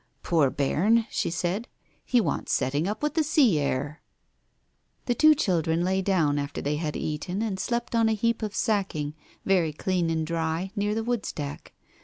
"Poor bairn !" she said, "he wants setting up with the sea air." The two children lay down after they had eaten, and slept on a heap of sacking, very clean and dry, near the woodstack.